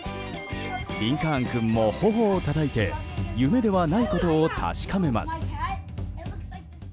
リンカーン君も頬をたたいて夢ではないことを確かめます。